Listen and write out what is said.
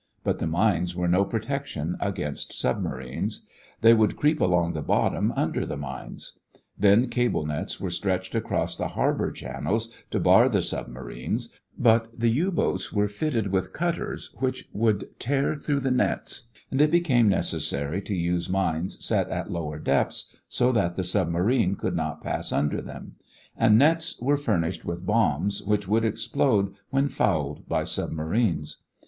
But the mines were no protection against submarines. They would creep along the bottom under the mines. Then cable nets were stretched across the harbor channels to bar the submarines, but the U boats were fitted with cutters which would tear through the nets, and it became necessary to use mines set at lower depths so that the submarines could not pass under them; and nets were furnished with bombs which would explode when fouled by submarines.